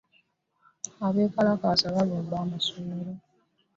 Abekalaakaasa balumba essomero.